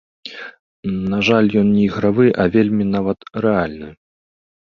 На жаль, ён не ігравы, а вельмі нават рэальны.